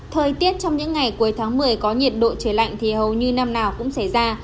thời tiết trong những ngày cuối tháng một mươi có nhiệt độ trời lạnh thì hầu như năm nào cũng xảy ra